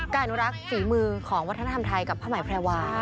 อนุรักษ์ฝีมือของวัฒนธรรมไทยกับผ้าไหมแพรวา